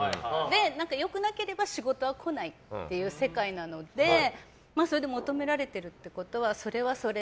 良くなければ仕事は来ないという世界なのでそれで求められているということはそれはそれ。